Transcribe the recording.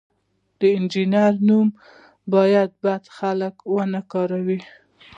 د انجینر نوم باید بد خلک ونه کاروي.